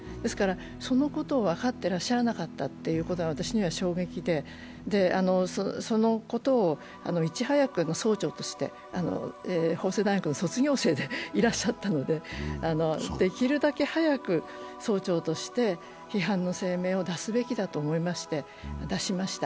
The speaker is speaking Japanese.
そのことを分かっていらっしゃらなかったことが衝撃的で、そのことをいち早く、総長として法政大学の卒業生でいらっしゃったので、できるだけ早く総長として批判の声明を出すべきだと思って出しました。